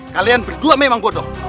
kalian berdua memang bodoh